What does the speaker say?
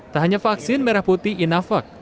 tak hanya vaksin merah putih inavac